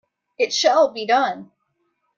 It shall be done!